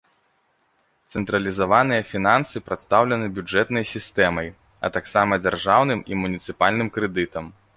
Цэнтралізаваныя фінансы прадстаўлены бюджэтнай сістэмай, а таксама дзяржаўным і муніцыпальным крэдытам.